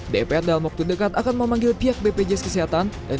dpr dalam waktu dekat akan memanggil pihak bpjs kesehatan